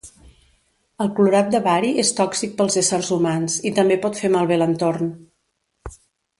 El clorat de bari és tòxic pels éssers humans i també pot fer malbé l'entorn.